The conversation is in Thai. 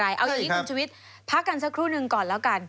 เอาอย่างนี้คุณชุวิตพักกันสักครู่นึงก่อนแล้วกัน